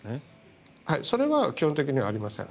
それは基本的にはありません。